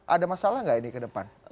ada masalah nggak ini kedepan